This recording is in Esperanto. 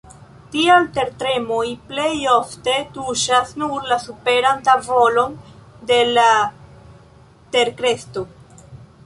Tial tertremoj plej ofte tuŝas nur la superan tavolon de la terkrusto.